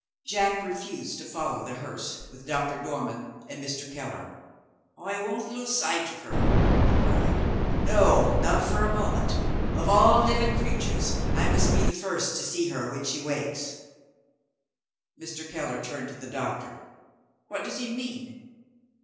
Jack refused to follow the hearse with Doctor Dormann and Mr. Keller. "I won't lose sight of her!" he cried "no! not for a moment! Of all living creatures, I must be the first to see her when she wakes." Mr. Keller turned to the doctor. "What does he mean?"